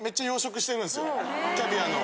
キャビアの。